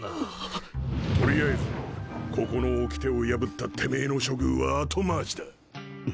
取りあえずここの掟を破ったてめぇの処遇は後回しだ。